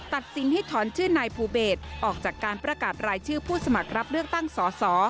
ตัดสินให้ถอนชื่อนายภูเบศออกจากการประกาศรายชื่อผู้สมัครรับเลือกตั้งสอสอ